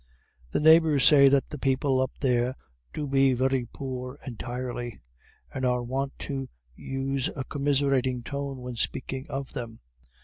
The neighbours say that the people up there do be very poor entirely, and are wont to use a commiserating tone when speaking of them.